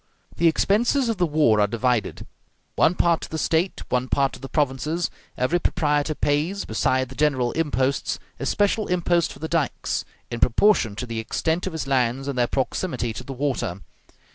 The expenses of the war are divided, one part to the State, one part to the provinces; every proprietor pays, beside the general imposts, a special impost for the dikes, in proportion to the extent of his lands and their proximity to the water.